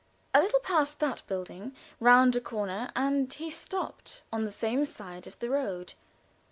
A little past that building, round a corner, and he stopped, on the same side of the road.